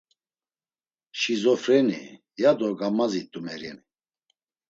“Şizofreni?” ya do gammazit̆u Meryemi.